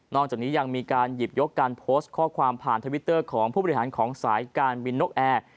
จากนี้ยังมีการหยิบยกการโพสต์ข้อความผ่านทวิตเตอร์ของผู้บริหารของสายการบินนกแอร์